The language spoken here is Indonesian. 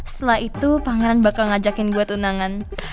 setelah itu pangeran bakal ngajakin gue ke undangan